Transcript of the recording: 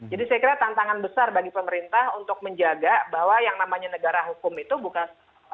jadi saya kira tantangan besar bagi pemerintah untuk menjaga bahwa yang namanya negara hukum itu bukan